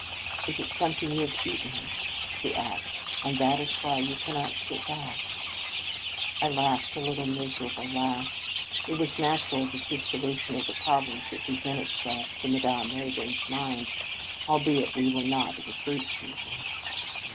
"Is it some thing you have eaten ?" she asked, " and that is why you cannot give it back?" I laughed a little miserable laugh. It was natural that this solution of the problem should present itself to Madame Rayburn s mind, albeit we were not in the fruit season.